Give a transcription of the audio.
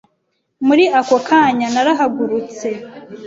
Muri ako kanya narahagurutse